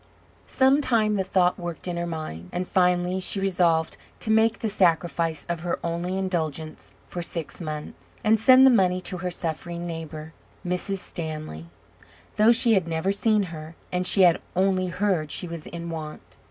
Some time the thought worked in her mind, and finally she resolved to make the sacrifice of her only indulgence for six months, and send the money to her suffering neighbour, Mrs. Stanley, though she had never seen her, and she had only heard she was in want.